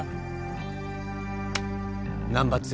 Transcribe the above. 難破剛。